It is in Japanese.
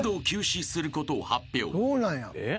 休止することを発表］